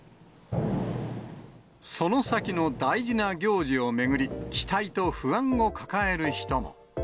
その先の大事な行事を巡り、期待と不安を抱える人も。